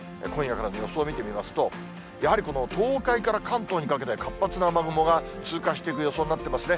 どういうふうに降るのか、今夜からの予想を見てみますと、やはりこの東海から関東にかけて、活発な雨雲が通過していく予想になっていますね。